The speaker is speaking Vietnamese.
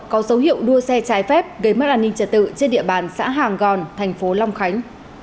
có dấu hiệu đua xe trái phép gây mất an ninh trật tự trên địa bàn xã hàng gòn thành phố long khánh